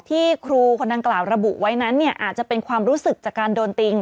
ครูคนดังกล่าวระบุไว้นั้นเนี่ยอาจจะเป็นความรู้สึกจากการโดนติง